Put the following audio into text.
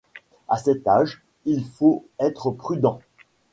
À cet âge, il faut être prudent.